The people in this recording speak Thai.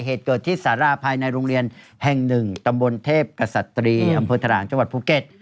เหตุเกิดที่สาราภายในโรงเรียนแห่งหนึ่งตำบลเทพกษัตรีอำเภอถลางจังหวัดภูเก็ต